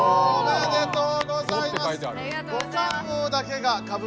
ありがとうございます。